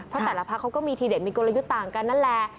เพราะแต่ละพักเขาก็มีทีเด็ดมีกลยุทธ์ต่างกันนั่นแหละ